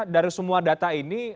dari semua data ini